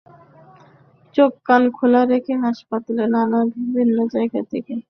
চোখ-কান খোলা রেখে চারপাশের নানা বিষয় জানার আগ্রহ বেড়ে গেছে অনিকের।